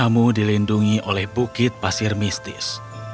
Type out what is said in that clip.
tamu dilindungi oleh bukit pasir mistis